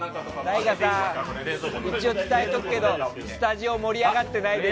一応、伝えとくけどスタジオ盛り上がってないです。